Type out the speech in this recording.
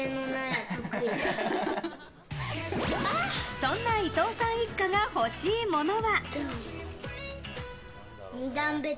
そんな伊藤さん一家が欲しいものは？